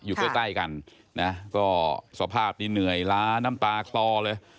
อยู่ใกล้ใกล้กันนะก็สภาพนี้เหนื่อยล้าน้ำตาคลอเลย